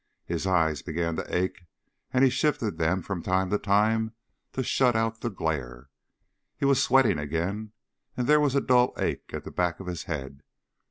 His eyes began to ache and he shifted them from time to time to shut out the glare. He was sweating again and there was a dull ache at the back of his head.